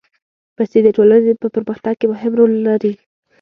پېسې د ټولنې په پرمختګ کې مهم رول لري.